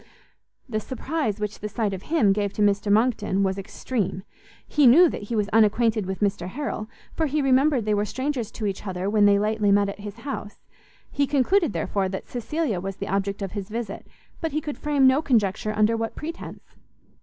The surprise which the sight of him gave to Mr Monckton was extreme; he knew that he was unacquainted with Mr Harrel, for he remembered they were strangers to each other when they lately met at his house; he concluded, therefore, that Cecilia was the object of his visit, but he could frame no conjecture under what pretence.